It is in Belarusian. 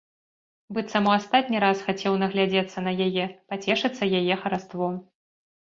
Быццам у астатні раз хацеў наглядзецца на яе, пацешыцца яе хараством.